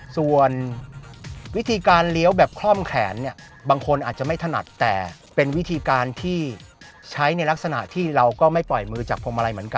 ส่วนวิธีการเลี้ยวแบบคล่อมแขนเนี่ยบางคนอาจจะไม่ถนัดแต่เป็นวิธีการที่ใช้ในลักษณะที่เราก็ไม่ปล่อยมือจากพวงมาลัยเหมือนกัน